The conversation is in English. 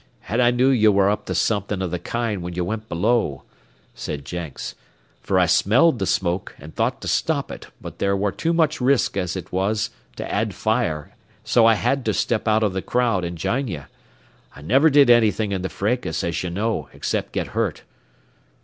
"An' I knew ye ware up to somethin' of the kind when ye went below," said Jenks, "fer I smelled the smoke and thought to stop it, but there ware too much risk as it was to add fire, so I had to step out o' the crowd an' jine ye. I never did nothin' in the fracas, as ye know, except get hurt."